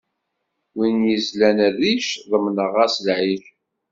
Wi yezlan rric, ḍemneɣ-as lɛic.